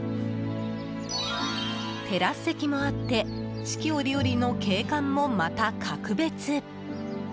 テラス席もあって四季折々の景観もまた格別。